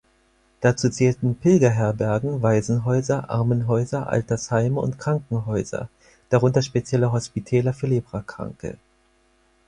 Dazu zählten Pilgerherbergen, Waisenhäuser, Armenhäuser, Altersheime und Krankenhäuser, darunter spezielle Hospitäler für Leprakranke.